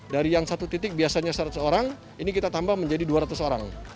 dari yang satu titik biasanya seratus orang ini kita tambah menjadi dua ratus orang